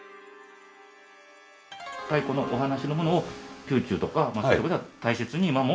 太古のお話のものを宮中とかそこでは大切に今も？